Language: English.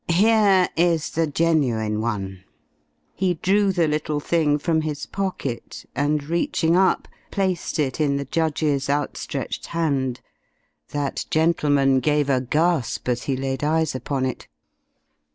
Here is the genuine one." He drew the little thing from his pocket, and reaching up placed it in the judge's outstretched hand. That gentleman gave a gasp as he laid eyes upon it.